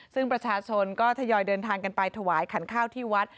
ซึ่งประชาชนก็ทยอยเดินทางกันไปถวายขันข้าวที่วัด